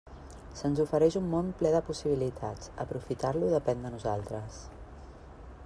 Se'ns ofereix un món ple de possibilitats; aprofitar-lo depèn de nosaltres.